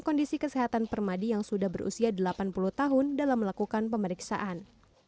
kondisi kesehatan permadi yang sudah berusia delapan puluh tahun dalam melakukan pemeriksaan